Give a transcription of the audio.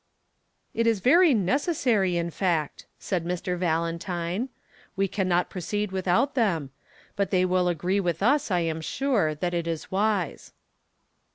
"It is very necessary, in fact," said Mr. Valentine. "We cannot proceed without them. But they will agree with us, I am sure, that it is wise."